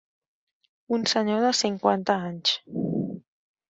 Un senyor de cinquanta anys.